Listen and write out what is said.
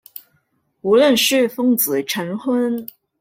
無論是奉子成婚